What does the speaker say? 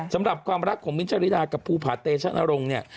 สำหรับความรักของมิ้นทริดากับภูผาเตชะนรงค์เนี่ย